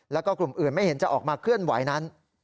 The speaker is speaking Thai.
แล้วก็กลุ่มอื่นไม่เห็นจะออกมาเคลื่อนไหวนั้น